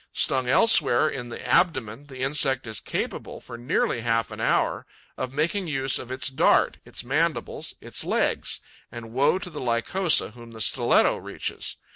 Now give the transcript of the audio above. Stung elsewhere, in the abdomen, the insect is capable, for nearly half an hour, of making use of its dart, its mandibles, its legs; and woe to the Lycosa whom the stiletto reaches.